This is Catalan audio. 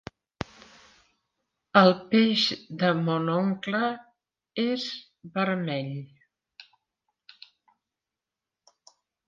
El peix de mon oncle és vermell.